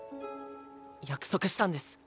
約束したんです